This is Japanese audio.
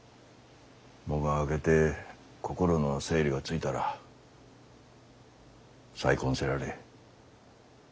喪が明けて心の整理がついたら再婚せられえ。